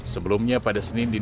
sebelumnya pada senin dinihan